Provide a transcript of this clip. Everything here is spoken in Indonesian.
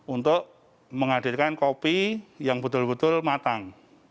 untuk menghadirkan kopi yang betul betul matang